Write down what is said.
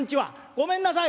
ごめんなさい」。